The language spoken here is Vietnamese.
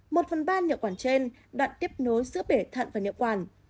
một phần ba niệu quản trên đoạn tiếp nối giữa bể thận và niệu quản